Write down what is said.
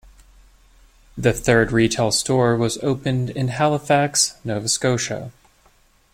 The third retail store was opened in Halifax, Nova Scotia.